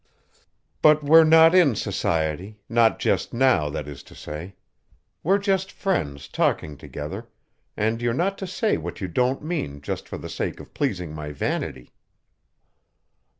"But we're not in society, not just now, that is to say. We're just friends talking together, and you're not to say what you don't mean just for the sake of pleasing my vanity."